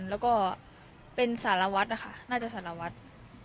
แล้วก็เป็นสารวัฒน์นะคะน่าจะสารวัตร